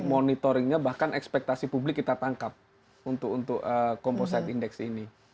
monitoringnya bahkan ekspektasi publik kita tangkap untuk komposite index ini